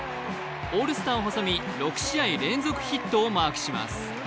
オールスターを挟み６試合連続ヒットをマークします。